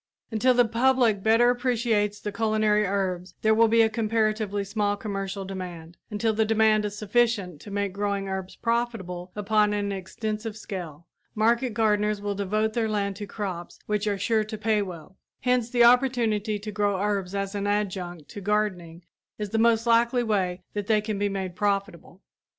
Until the public better appreciates the culinary herbs there will be a comparatively small commercial demand; until the demand is sufficient to make growing herbs profitable upon an extensive scale, market gardeners will devote their land to crops which are sure to pay well; hence the opportunity to grow herbs as an adjunct to gardening is the most likely way that they can be made profitable.